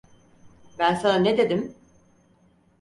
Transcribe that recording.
Ben sana ne dedim?